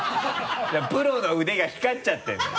プロの腕が光っちゃってるのよ。